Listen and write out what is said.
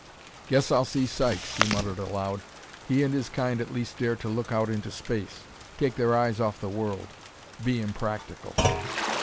"Guess I'll see Sykes," he muttered aloud. "He and his kind at least dare to look out into space; take their eyes off the world; be impractical!"